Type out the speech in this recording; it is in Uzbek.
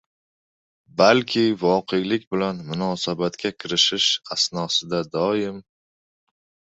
balki voqelik bilan munosabatga kirishish asnosida doim